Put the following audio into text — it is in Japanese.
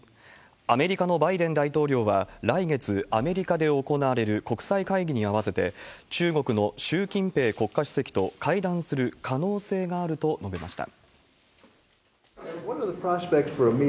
アメリカのバイデン大統領は、来月アメリカで行われる国際会議に合わせて、中国の習近平国家主席と会談する可能性があると述べました。